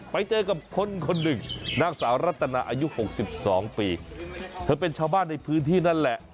ไปเจอกับคนคนหนึ่งนางสาวรัตนาอายุหกสิบสองปีเธอเป็นชาวบ้านในพื้นที่นั่นแหละ